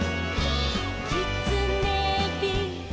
「きつねび」「」